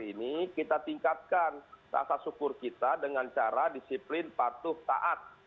ini kita tingkatkan rasa syukur kita dengan cara disiplin patuh taat